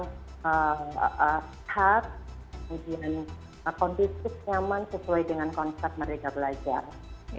hard kemudian kondisi nyaman sesuai dengan konsep mereka belajar